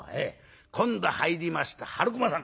今度入りました春駒さん